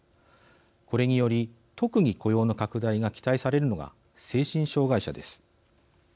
これにより特に雇用の拡大が期待されるのが精神障害者です。